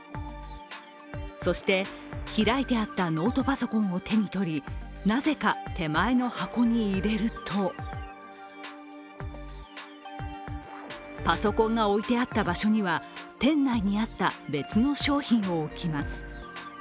そして開いてあったノートパソコンを手に取りなぜか手前の箱に入れるとパソコンが置いてあった場所には店内にあった別の商品を置きます。